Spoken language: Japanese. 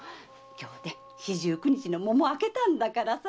今日で四十九日の喪も開けたんだからさ。